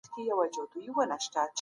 دا ناځوانه بيا هـغې كوڅه كي راتـه وژړل